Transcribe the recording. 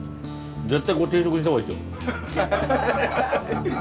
絶対これ定食にした方がいいですよ。